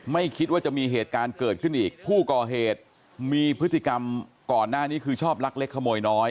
ไม่คิดว่าจะมีเหตุการณ์เกิดขึ้นอีกผู้ก่อเหตุมีพฤติกรรมก่อนหน้านี้คือชอบลักเล็กขโมยน้อย